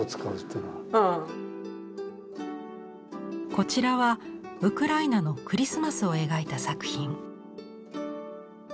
こちらはウクライナのクリスマスを描いた作品。